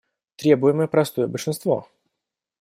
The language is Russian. Требуемое простое большинство.